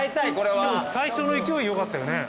でも最初の勢いよかったよね。